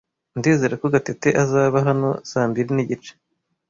Ndizera ko Gatete azaba hano saa mbiri nigice.